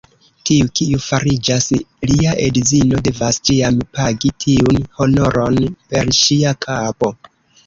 Tiu, kiu fariĝas lia edzino, devas ĉiam pagi tiun honoron per ŝia kapo.